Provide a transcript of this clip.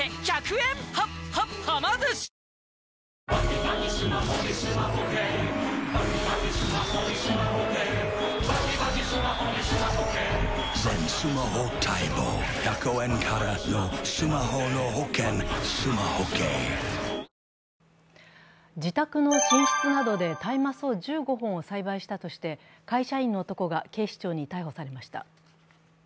ピンポーン自宅の寝室などで大麻草１５本を栽培したとして会社員の男が警視庁に逮捕されました。